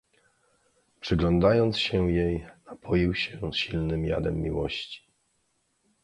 "Przyglądając się jej, napoił się silnym jadem miłości."